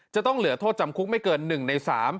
จะต้องเหลือโทษจำคุกไม่เกิน๑ใน๓